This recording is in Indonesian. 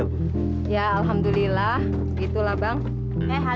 empat kilo juga masih kurang kok